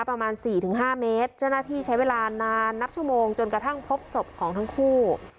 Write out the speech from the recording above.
ประมาณ๔๕เมตรเจ้าหน้าที่ใช้เวลานานนับชั่วโมงจนกระทั่งพบศพของทั้งคู่